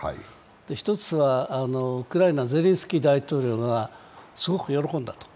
１つは、ウクライナ、ゼレンスキー大統領はすごく喜んだと。